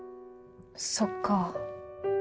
そっか。